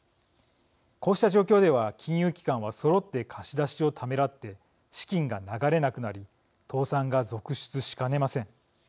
こうした状況では金融機関はそろって貸し出しをためらって資金が流れなくなり倒産が続出しかねません。